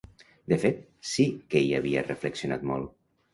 De fet, sí que hi havia reflexionat molt.